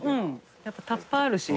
やっぱたっぱあるし。